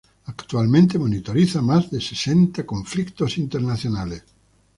Actualmente monitoriza más de sesenta conflictos internacionales.